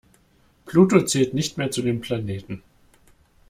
Pluto zählt nicht mehr zu den Planeten.